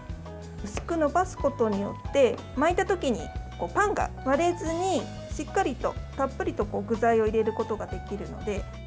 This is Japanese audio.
薄く延ばすことによって巻いた時に、パンが割れずにしっかりとたっぷりと具材を入れることができるので。